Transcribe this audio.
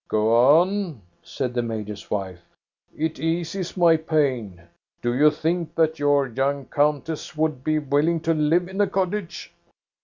" Go on," said the major's wife. " It eases my pain. Did you think that your young countess would be willing to live in a cottage?"